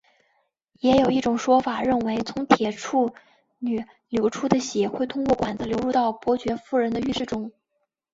也有一种说法认为从铁处女流出的血会通过管子流入到伯爵夫人的浴室中。